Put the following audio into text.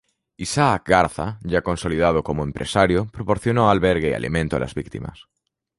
Isaac Garza, ya consolidado como empresario, proporcionó albergue y alimentos a las víctimas.